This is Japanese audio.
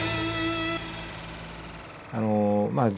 あのまあ